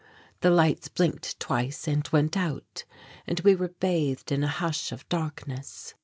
The lights blinked twice and went out, and we were bathed in a hush of darkness.